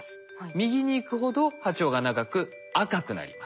右に行くほど波長が長く赤くなります。